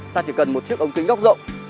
ta chỉ cần một chiếc ống kính góc rộng